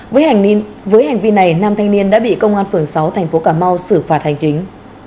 với hành vi này nam thanh niên đã bị công an phường sáu thành phố cà mau xử phạt hành chính